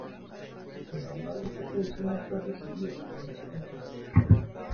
Sin embargo fue producida más tarde sin duda, aunque no se conoce la fecha.